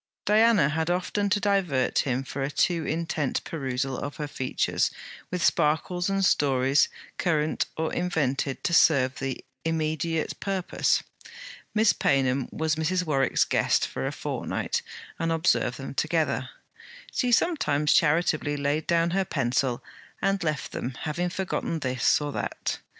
Diana had often to divert him from a too intent perusal of her features with sparkles and stories current or invented to serve the immediate purpose. Miss Paynham was Mrs. Warwick's guest for a fortnight, and observed them together. She sometimes charitably laid down her pencil and left them, having forgotten this or that.